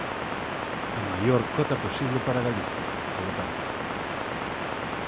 A maior cota posible para Galicia, polo tanto.